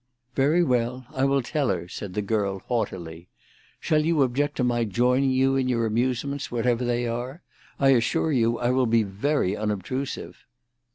"Very well, I will tell her," said the girl haughtily. "Shall you object to my joining you in your amusements, whatever they are? I assure you I will be very unobtrusive."